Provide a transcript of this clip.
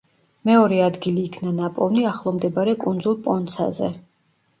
მეორე ადგილი იქნა ნაპოვნი ახლომდებარე კუნძულ პონცაზე.